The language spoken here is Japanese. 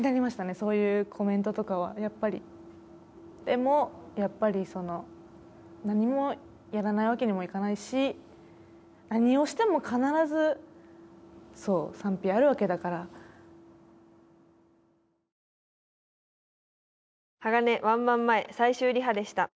そういうコメントとかはやっぱりでもやっぱりその何もやらないわけにもいかないし何をしても必ずそう賛否あるわけだから「ＨＡＧＡＮＥワンマン前最終リハでした！」